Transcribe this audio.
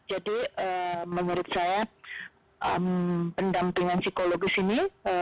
jadi menurut saya pendampingan psikologis ini